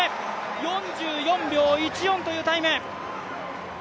４４秒１４というタイム。